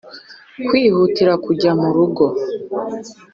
kwihutira kujya mu rugo.